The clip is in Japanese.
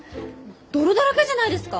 泥だらけじゃないですか？